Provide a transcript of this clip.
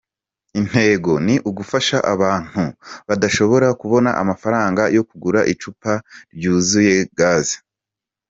Intego ni ugufasha abantu badashobora kubona amafaranga yo kugura icupa ryuzuye Gaz.